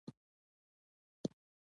ته د ده په څېر د رمباړو وهلو ارمان نه لرې.